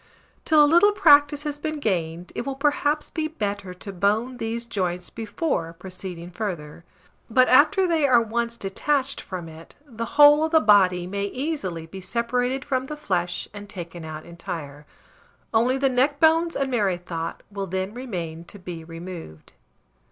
Till a little practice has been gained, it will perhaps be bettor to bone these joints before proceeding further; but after they are once detached from it, the whole of the body may easily be separated from the flesh and taken out entire: only the neck bones and merrythought will then remain to be removed.